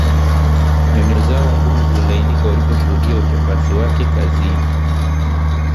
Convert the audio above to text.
Nyoyo zao ngumu zililainika waliposhuhudia uchapasi wake kazini